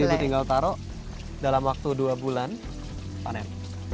jadi itu tinggal taro dalam waktu dua bulan panen